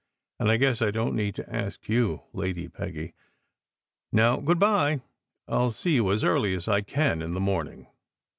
And I guess I don t need to ask you, Lady Peggy. Now, good bye. I ll see you as early as I can in the morning."